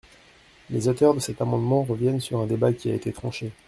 Les auteurs de cet amendement reviennent sur un débat qui a été tranché.